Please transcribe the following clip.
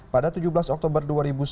pada tujuh belas oktober dua ribu sebelas